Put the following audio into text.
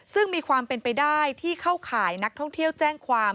ซึ่งมีความเป็นไปได้ที่เข้าข่ายนักท่องเที่ยวแจ้งความ